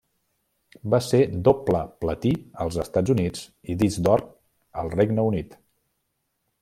Va ser doble platí als Estats Units i disc d'Or al Regne Unit.